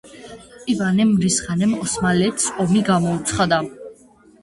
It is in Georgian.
ივანე მრისხანემ ოსმალეთს ომი გამოუცხადა.